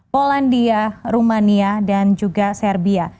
polandia rumania dan juga serbia